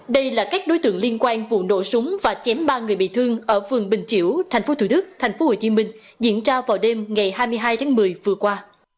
đây là các đối tượng liên quan vụ nổ súng và chém ba người bị thương ở phường bình chiểu tp thủ đức tp hcm diễn ra vào đêm ngày hai mươi hai tháng một mươi vừa qua